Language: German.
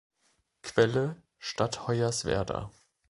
Quelle: Stadt Hoyerswerda